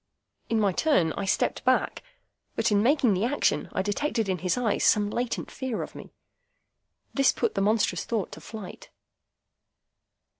In my turn, I stepped back. But in making the action, I detected in his eyes some latent fear of me. This put the monstrous thought to flight.